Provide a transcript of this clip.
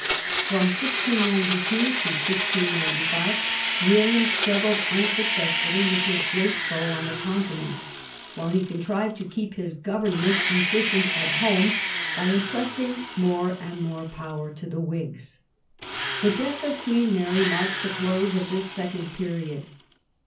From 1692 to 1695 William struggled unsuccessfully with his great foe on the Continent, while he contrived to keep his government efficient at home by intrusting more and more power to the Whigs. The death of Queen Mary marks the close of this second period.